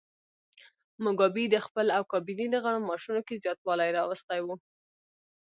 موګابي د خپل او کابینې د غړو معاشونو کې زیاتوالی راوستی و.